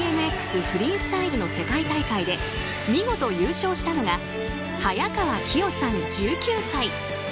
フリースタイルの世界大会で見事優勝したのが早川起生さん、１９歳。